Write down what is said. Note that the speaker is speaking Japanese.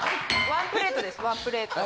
ワンプレートですワンプレート。